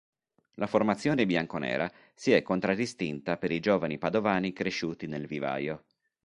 La formazione bianconera si è contraddistinta per i giovani padovani cresciuti nel vivaio.